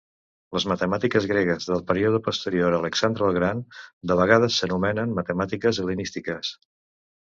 Les matemàtiques gregues del període posterior a Alexandre el Gran de vegades s'anomenen matemàtiques hel·lenístiques.